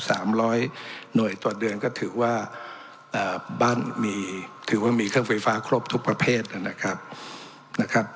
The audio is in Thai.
สามร้อยหน่วยต่อเดือนก็ถือว่าเอ่อบ้านมีถือว่ามีเครื่องไฟฟ้าครบทุกประเภทนะครับนะครับ